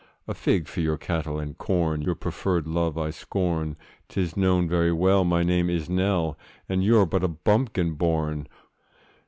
'A fig for your cattle and corn! Your proffered love I scorn! 'Tis known very well, my name is Nell, And you're but a bumpkin born.